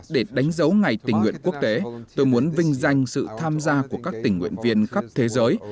để đánh dấu ngày tình nguyện quốc tế tôi muốn vinh danh sự tham gia của các tình nguyện viên khắp thế giới